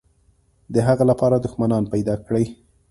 د هغه لپاره دښمنان پیدا کړي.